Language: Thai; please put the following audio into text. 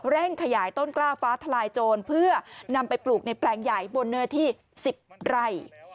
ขยายต้นกล้าฟ้าทลายโจรเพื่อนำไปปลูกในแปลงใหญ่บนเนื้อที่๑๐ไร่